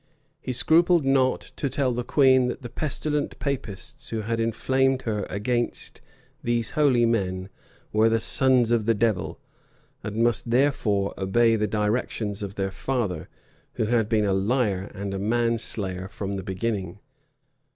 He scrupled not to tell the queen that the pestilent Papists who had inflamed her against these holy men were the sons of the devil; and must therefore obey the directions of their father, who had been a liar and a manslayer from the beginning.